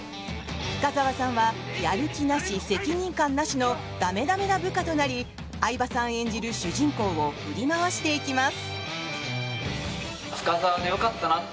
深澤さんはやる気なし責任感なしのダメダメな部下となり相葉さん演じる主人公を振り回していきます。